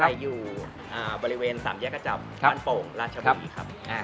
ร้านอะไหล่อยู่บริเวณสามแยกกระจำพันโป่งราชบุรีครับ